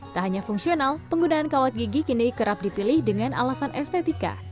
tak hanya fungsional penggunaan kawat gigi kini kerap dipilih dengan alasan estetika